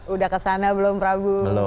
udah kesana belum prabu